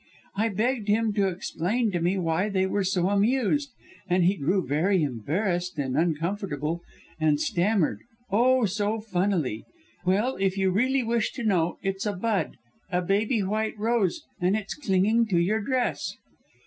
"I begged him to explain to me why they were so amused, and he grew very embarrassed and uncomfortable, and stammered oh! so funnily, 'Well if you really wish to know it's a bud, a baby white rose, and it's clinging to your dress.'